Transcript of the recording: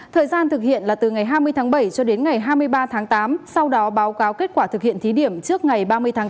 thời gian thực hiện là từ ngày hai mươi tháng bảy cho đến ngày hai mươi ba tháng tám sau đó báo cáo kết quả thực hiện thí điểm trước ngày ba mươi tháng tám